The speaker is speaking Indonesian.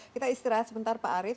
kita istirahat sebentar pak arief